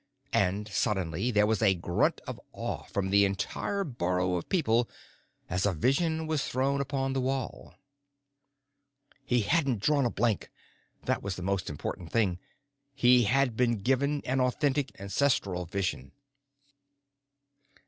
And suddenly there was a grunt of awe from the entire burrow of people as a vision was thrown upon the wall. He hadn't drawn a blank. That was the most important thing. He had been given an authentic ancestral vision.